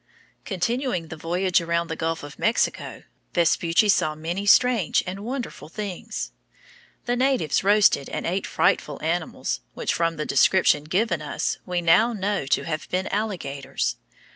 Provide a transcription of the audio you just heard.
Continuing the voyage around the Gulf of Mexico, Vespucci saw many strange and wonderful things. The natives roasted and ate frightful animals, which from the description given us we now know to have been alligators.